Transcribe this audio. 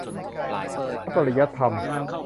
พระปริยัติธรรม